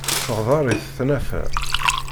Teɣder-it tnafa.